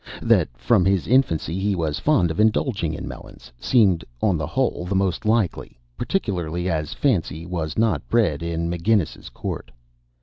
That from his infancy, he was fond of indulging in melons, seemed on the whole the most likely, particularly as Fancy was not bred in McGinnis's Court.